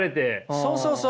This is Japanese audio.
そうそうそう。